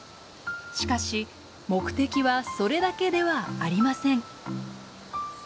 しかし目的はそれだけではありません。